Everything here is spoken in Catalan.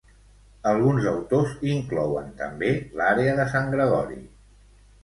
Alguns autors inclouen també l'àrea de Sant Gregori.